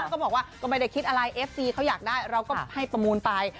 ก็บอกว่าก็ไม่ได้คิดอะไรเอฟซีเขาอยากได้เราก็ให้ประมูลไป